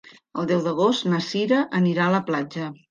El deu d'agost na Sira anirà a la platja.